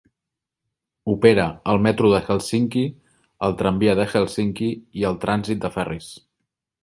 Opera el metro de Helsinki, el tramvia de Helsinki i el trànsit de ferris.